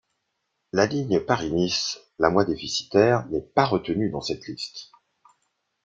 La ligne Paris – Nice, la moins déficitaire, n'est pas retenue dans cette liste.